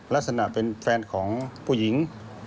ลักษณะเป็นแฟนของผู้หญิง